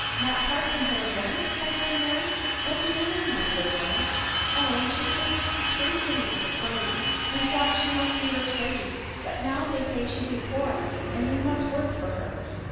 " Not part from her again !" cried Glenmurray :" What do you mean, my good woman?" " Oh ! when she gave tree guinea for me, metought she must be rich lady, but now dey say she be poor, and me mus work for her."